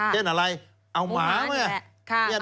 เช่นอะไรเอาหมาไหม